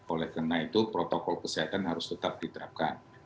oleh karena itu protokol kesehatan harus tetap diterapkan